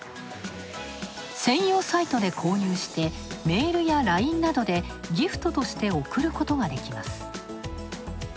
専用サイトで購入してメールやＬＩＮＥなどでギフトとして贈ることができます。